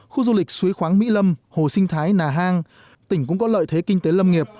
khu du lịch suối khoáng mỹ lâm hồ sinh thái nà hang tỉnh cũng có lợi thế kinh tế lâm nghiệp